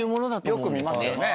よく見ますよね。